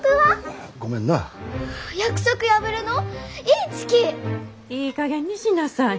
いいかげんにしなさい。